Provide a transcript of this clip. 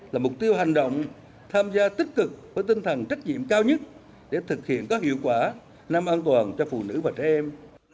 là mục tiêu hành động tham gia tích cực với tinh thần trách nhiệm cao nhất để thực hiện có hiệu quả năm an toàn cho phụ nữ và trẻ em